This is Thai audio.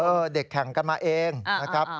เด็กแข่งกันมาเองนะครับ